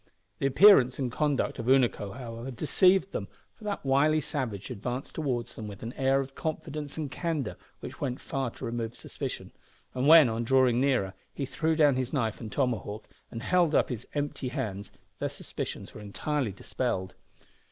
The appearance and conduct of Unaco, however, deceived them, for that wily savage advanced towards them with an air of confidence and candour which went far to remove suspicion, and when, on drawing nearer, he threw down his knife and tomahawk, and held up his empty hands, their suspicions were entirely dispelled.